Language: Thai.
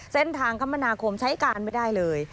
เส้นทางคำนาคมใช้การไม่ได้เลย